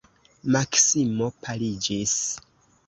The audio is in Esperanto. Maksimo paliĝis.